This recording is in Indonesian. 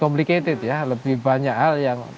complicated ya lebih banyak hal yang